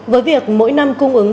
với việc mỗi năm cung ứng